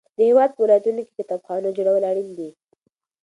د هیواد په ولایتونو کې کتابخانو جوړول اړین دي.